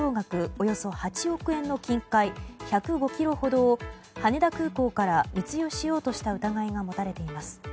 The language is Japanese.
およそ８億円の金塊１０５ｋｇほどを羽田空港から密輸しようとした疑いが持たれています。